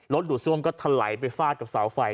ดูดซ่วมก็ถลายไปฟาดกับเสาไฟ